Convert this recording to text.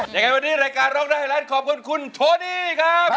อย่างนั้นวันนี้รายการร้องได้ไฮไลน์ขอบคุณคุณโทนี่ครับ